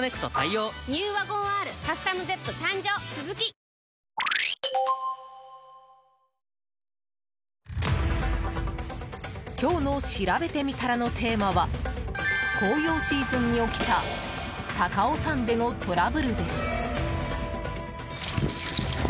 へぇ今日のしらべてみたらのテーマは紅葉シーズンに起きた高尾山でのトラブルです。